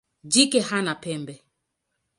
Jike hana pembe.